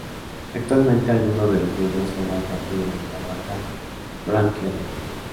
Actualmente algunos de los miembros forman parte de la nueva banda "Prime Creation